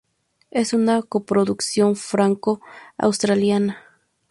Es una coproducción franco-australiana.